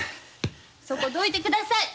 そこどいて下さい！